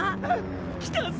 来たぞ。